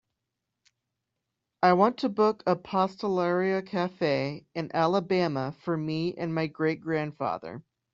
I want to book a pastelaria cafe in Alabama for me and my great grandfather.